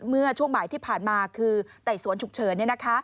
เมื่อช่วงบ่ายที่ผ่านมาคือไต่สวนฉุกเฉิน